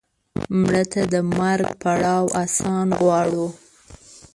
مړه ته د مرګ پړاو آسان غواړو